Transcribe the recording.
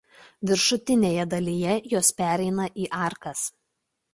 Viršutinėje dalyje jos pereina į arkas.